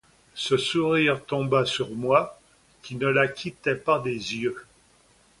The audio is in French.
Ce sourire tomba sur moi qui ne la quittais pas des yeux.